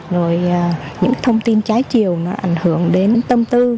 rồi những thông tin trái chiều nó ảnh hưởng đến tâm tư